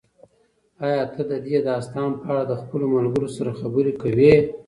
ایا ته د دې داستان په اړه له خپلو ملګرو سره خبرې کوې؟